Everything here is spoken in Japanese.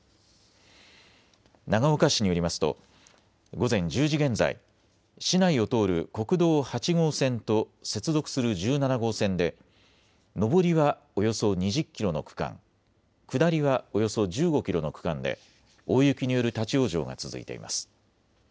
長岡市によりますと午前１０時現在、市内を通る国道８号線と接続する１７号線で上りはおよそ２０キロの区間、下りはおよそ１５キロの区間で大雪による立往生が続いています。